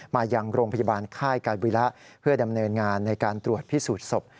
มายังโรงพยาบาลค่ายการวิระเพื่อดำเนินงานในการตรวจพิสูจน์ศพ